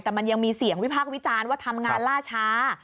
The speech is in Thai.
แต่มันยังมีเสียงวิพากษ์วิจารณ์ว่าทำงานล่าช้า